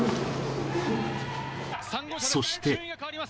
そして。